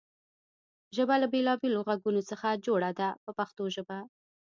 ژبه له بېلابېلو غږونو څخه جوړه ده په پښتو ژبه.